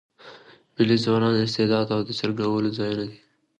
مېلې د ځوانانو د استعدادو د څرګندولو ځایونه دي.